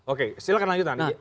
oke silakan lanjutkan